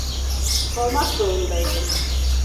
Sormak zorundaydım.